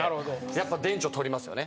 やっぱ電池を取りますよね。